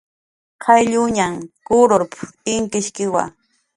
"Qaylluñan kururp"" inkishkiwa"